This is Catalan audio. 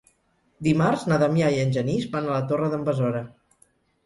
Dimarts na Damià i en Genís van a la Torre d'en Besora.